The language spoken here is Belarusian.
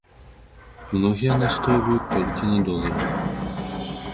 Многія настойваюць толькі на доларах.